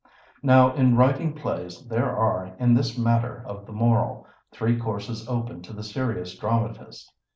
Now, in writing plays, there are, in this matter of the moral, three courses open to the serious dramatist.